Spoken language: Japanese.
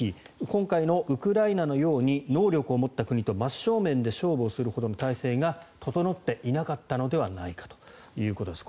今回のウクライナのように能力を持った国と真正面で勝負をするほどの体制が整っていなかったのではないかということです。